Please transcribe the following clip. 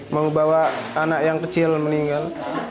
mau bawa anak yang kecil meninggal